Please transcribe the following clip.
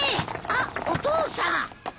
あっお父さん。